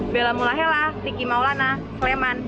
bella mulahela riki maulana sleman